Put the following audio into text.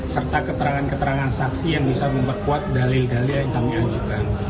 serta keterangan keterangan saksi yang bisa memperkuat dalil dalil yang kami ajukan